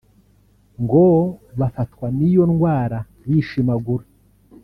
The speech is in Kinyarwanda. ngo bafatwa n’iyo ndwara bishimagura